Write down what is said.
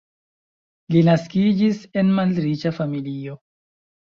Li naskiĝis en malriĉa familio.